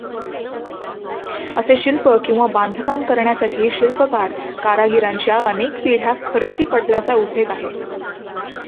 असे शिल्प किंवा बांधकाम करण्यासाठी शिल्पकार कारागीरांच्या अनेक पिढ्या खर्ची पडल्याचा उल्लेख आहे.